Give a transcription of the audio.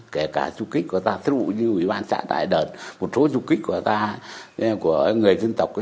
kể cả du kích của ta thí dụ như ủy ban trạng đại đợt một số du kích của ta của người dân tộc